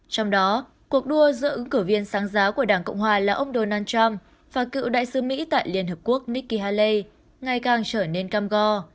trong đó cuộc đua giữa ứng cử viên sáng giáo của đảng cộng hòa là ông donald trump và cựu đại sứ mỹ tại liên hợp quốc nikki haley ngày càng trở nên cam go